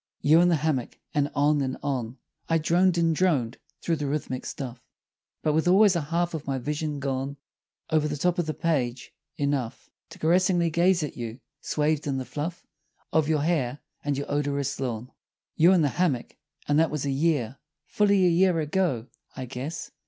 You in the hammock; and on and on I droned and droned through the rhythmic stuff But with always a half of my vision gone Over the top of the page enough To caressingly gaze at you, swathed in the fluff Of your hair and your odorous lawn. You in the hammock And that was a year Fully a year ago, I guess!